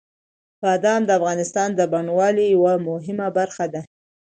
بادام د افغانستان د بڼوالۍ یوه مهمه برخه ده.